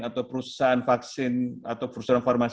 atau perusahaan vaksin atau perusahaan farmasi